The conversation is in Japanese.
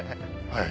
はい。